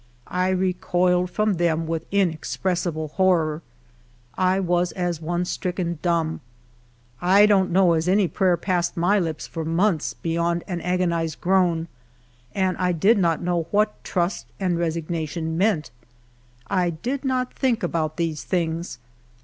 I recoiled from them with inex pressible horror. I was as one stricken dumb. I don't know as any prayer passed my lips for months, beyond aii agonized groan, and I did not know what trust and resigna tion meant. 1 did not think about these things.